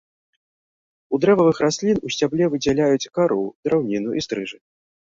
У дрэвавых раслін у сцябле выдзяляюць кару, драўніну і стрыжань.